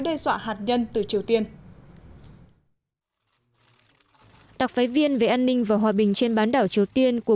đe dọa hạt nhân từ triều tiên đặc phái viên về an ninh và hòa bình trên bán đảo triều tiên của